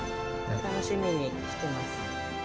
楽しみにしてます。